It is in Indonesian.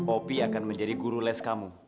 opi akan menjadi guru les kamu